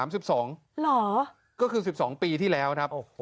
เหรอก็คือ๑๒ปีที่แล้วครับ